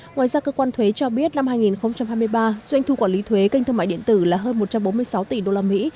ngoài ra cơ quan thuế cho biết năm hai nghìn hai mươi ba doanh thu quản lý thuế kênh thương mại điện tử là hơn một trăm bốn mươi sáu tỷ đô la mỹ